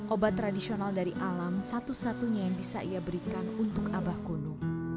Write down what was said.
obat tradisional dari alam satu satunya yang bisa ia berikan untuk abah kuno